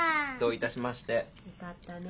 よかったね。